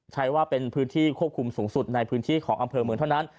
ใช้ว่าเป็นพื้นที่ควบคุมสูงสุดในพื้นที่ของอำเภอเมืองเท่านั้น